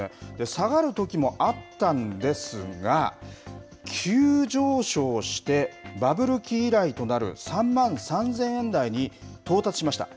下がるときもあったんですが、急上昇してバブル期以来となる、３万３０００円台に到達しました。